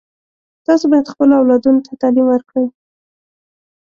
تاسو باید خپلو اولادونو ته تعلیم ورکړئ